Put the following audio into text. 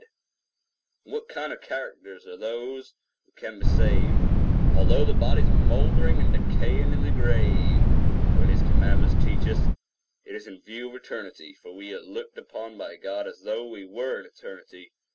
and what kind of characters are those who can be saved, although their bodies are mouldering and decaying in the grave? When his commandments teach us, it is in view of eternity; for we are looked upon by God as though we were in eternity.